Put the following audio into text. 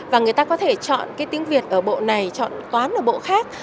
và người ta có thể chọn cái tiếng việt ở bộ này chọn toán ở bộ khác